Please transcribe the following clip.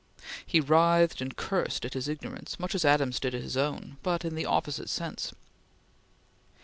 He writhed and cursed at his ignorance, much as Adams did at his own, but in the opposite sense.